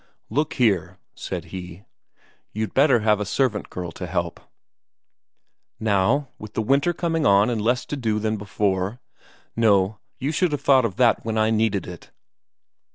"Look here," said he, "you'd better have a servant girl to help." "Now with the winter coming on and less to do than ever? No, you should have thought of that when I needed it."